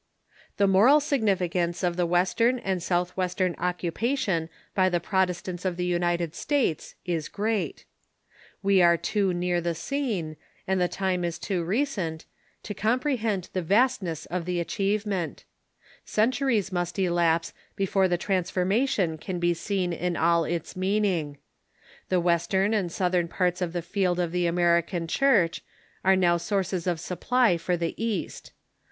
The moral significance of the Western and Southwestern occupation by the Protestants of the United States is great. We are too near the scene, and the time is too tMs Movement i"PC6nt, to comprehend the vastness of the achieve ment. Centuries must elapse before the transfor mation can be seen in all its meaning. The Western and Southern parts of the field of the American Chui'ch are now sources of supply for the East.